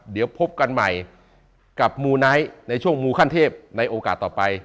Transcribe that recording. เดี๋ยวพบกันใหม่กับมูไนท์ในช่วงมูขั้นเทพในโอกาสต่อไป